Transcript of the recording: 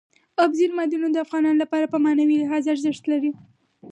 اوبزین معدنونه د افغانانو لپاره په معنوي لحاظ ارزښت لري.